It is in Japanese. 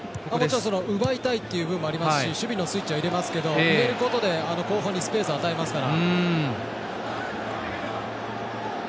奪いたいという部分もありますし守備のスイッチ入れますけど入れることで後方にスペースを与えますから。